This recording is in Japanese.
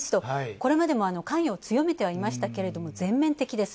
これまでも関与を強めてはいましたけど全面的です。